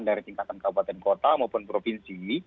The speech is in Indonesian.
dari tingkatan kabupaten kota maupun provinsi